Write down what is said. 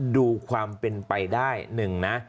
ดูความเป็นไปได้หนึ่งนะ